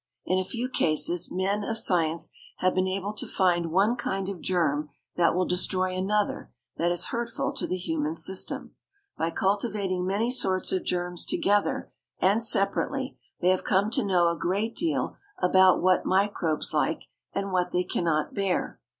In a few cases men of science have been able to find one kind of germ that will destroy another that is hurtful to the human system. By cultivating many sorts of germs together and separately they have come to know a great deal about what microbes like and what they cannot bear.